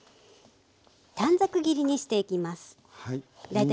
短冊切りにしていきます。